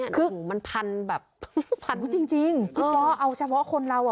เนี่ยมันพันแบบพันจริงจริงเออเอาเฉพาะคนเราอ่ะ